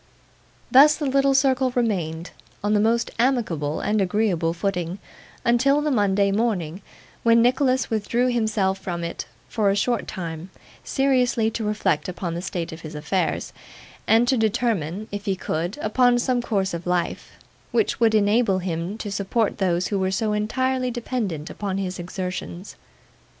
Thus, the little circle remained, on the most amicable and agreeable footing, until the Monday morning, when Nicholas withdrew himself from it for a short time, seriously to reflect upon the state of his affairs, and to determine, if he could, upon some course of life, which would enable him to support those who were so entirely dependent upon his exertions.